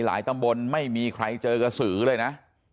ตำบลไม่มีใครเจอกระสือเลยนะ